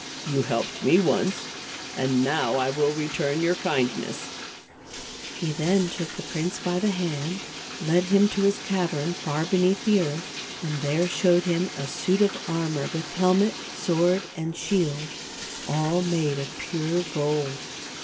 You helped me once, and now I will re turn your kindness." v THE GLASS MOUNTAIN. 275 He then took the prince by the hand, led him to his cavern far beneath the earth, and there showed him a suit of armor with helmet, sword and shield, all made of pure gold.